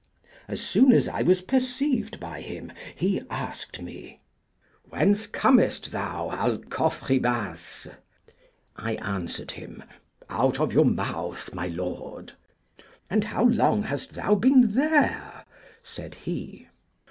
As soon as I was perceived by him, he asked me, Whence comest thou, Alcofribas? I answered him, Out of your mouth, my lord. And how long hast thou been there? said he.